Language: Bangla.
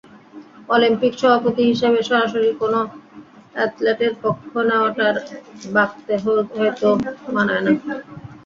অলিম্পিক সভাপতি হিসেবে সরাসরি কোনো অ্যাথলেটের পক্ষ নেওয়াটা বাখকে হয়তো মানায় না।